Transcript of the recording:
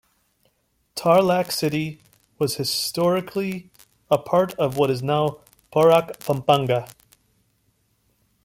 Tarlac City was historically a part of what is now Porac, Pampanga.